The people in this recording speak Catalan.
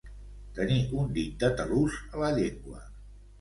Tenir un dit de talús a la llengua.